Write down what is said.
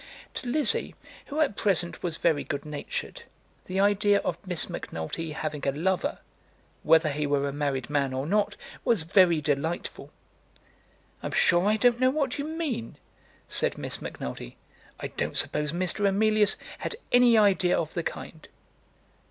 To Lizzie, who at present was very good natured, the idea of Miss Macnulty having a lover, whether he were a married man or not, was very delightful. "I'm sure I don't know what you mean," said Miss Macnulty. "I don't suppose Mr. Emilius had any idea of the kind."